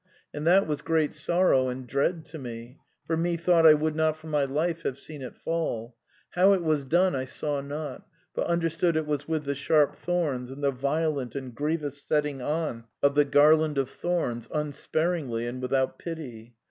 And that was great sorrow and dread to me: for methought I would not for my life have seen it falL How it was done I saw not; but understood it was with the sharp thorns and the violent and grievous setting on of the Garland of Thorns, unsparingly and without pity.